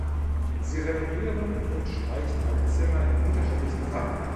Sie renovieren und streichen alle Zimmer in unterschiedlichen Farben.